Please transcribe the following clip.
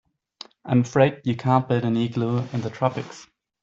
I'm afraid you can't build an igloo in the tropics.